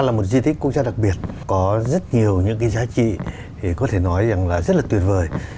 là một di tích quốc gia đặc biệt có rất nhiều những cái giá trị thì có thể nói rằng là rất là tuyệt vời